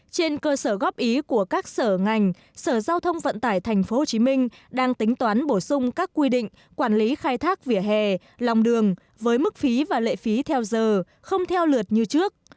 trên cơ sở góp ý của các sở ngành sở giao thông vận tải tp hcm đang tính toán bổ sung các quy định quản lý khai thác vỉa hè lòng đường với mức phí và lệ phí theo giờ không theo lượt như trước